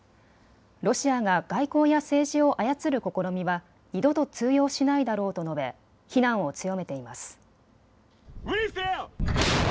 ロシアが外交や政治を操る試みは二度と通用しないだろうと述べ非難を強めています。